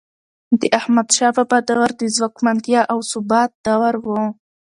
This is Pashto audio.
د احمدشاه بابا دور د ځواکمنتیا او ثبات دور و.